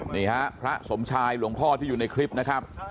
นี่ฮะพระสมชายหลวงพ่อที่อยู่ในคลิปนะครับ